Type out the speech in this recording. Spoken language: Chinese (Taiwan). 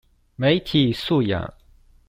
媒體素養